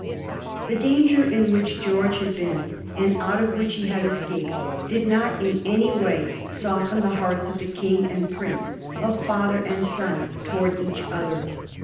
The danger in which George had been, and out of which he had est ajied, did not in any way soften the hearts of King anrl prince, of father and son, towards each other.